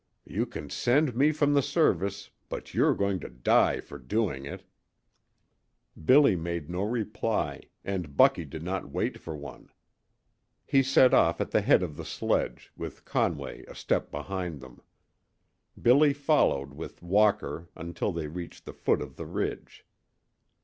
"You can send me from the service, but you're going to die for doing it!" Billy made no reply, and Bucky did not wait for one. He set off at the head of the sledge, with Conway a step behind them. Billy followed with Walker until they reached the foot of the ridge.